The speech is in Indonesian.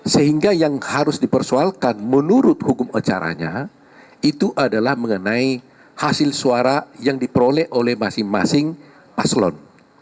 sehingga yang harus dipersoalkan menurut hukum acaranya itu adalah mengenai hasil suara yang diperoleh oleh masing masing paslon